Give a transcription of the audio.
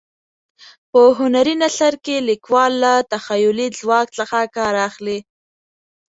په هنري نثر کې لیکوال له تخیلي ځواک څخه کار اخلي.